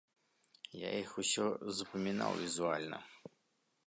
Я іх усе запамінаў візуальна.